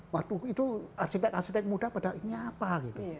waduh itu arsitek arsitek muda pada ini apa gitu